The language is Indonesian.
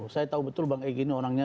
saya tahu betul bang egy ini orangnya